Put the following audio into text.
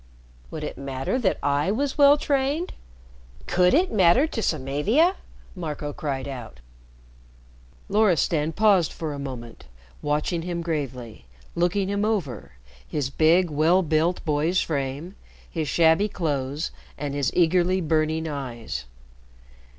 "Would it matter that I was well trained? Could it matter to Samavia?" Marco cried out. Loristan paused for a moment watching him gravely looking him over his big, well built boy's frame, his shabby clothes, and his eagerly burning eyes.